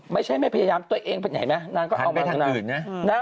ไม่ใช่ไม่พยายามตัวเองเห็นไหมนานก็เอามา